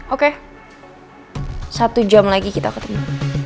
oke satu jam lagi kita ketemu